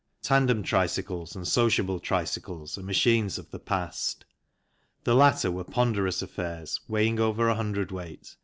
Tandem tricycles and sociable tricycles are machines of the past. The latter were ponderous affairs weighing over 1 cwt.